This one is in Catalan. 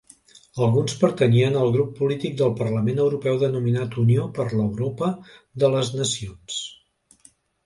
Alguns pertanyien al grup polític del parlament europeu denominat Unió per l'Europa de les Nacions.